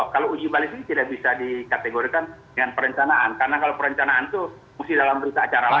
kalau uji balis ini tidak bisa dikategorikan dengan perencanaan karena kalau perencanaan itu mesti dalam berita acara lain